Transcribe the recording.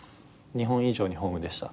日本以上にホームでした。